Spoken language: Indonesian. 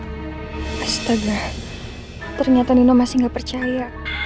astaga ternyata nino masih nggak percaya